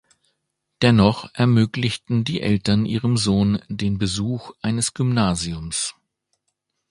Dennoch ermöglichten die Eltern ihrem Sohn den Besuch eines Gymnasiums.